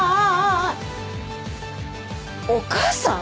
お義母さん？